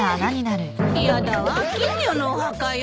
やだわ金魚のお墓よ。